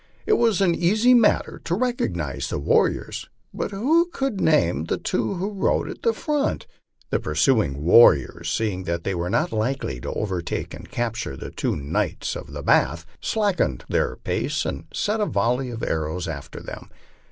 It was an easy matter to recog nize the warriors, but who could name the two who rode at the front? The pursuing warriors, seeing that they were not likely to overtake and capture the two knights of the bath, slackened their pace and sent a volley of arrows after them.